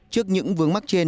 trước những vướng mắt trên